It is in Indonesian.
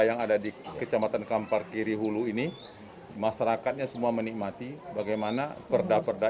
yang ada di kecamatan kampar kiri hulu ini masyarakatnya semua menikmati bagaimana perda perda